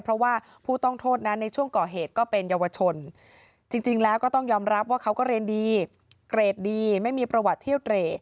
เพราะว่าผู้ต้องโทษนั้นในช่วงก่อเหตุก็เป็นเยาวชนจริงแล้วก็ต้องยอมรับว่าเขาก็เรียนดีเกรดดีไม่มีประวัติเที่ยวเตร